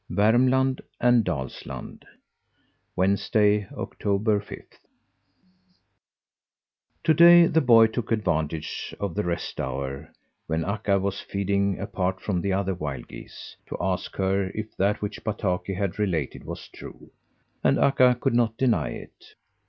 VERMLAND AND DALSLAND Wednesday, October fifth. To day the boy took advantage of the rest hour, when Akka was feeding apart from the other wild geese, to ask her if that which Bataki had related was true, and Akka could not deny it.